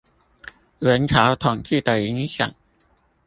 元朝統治的影響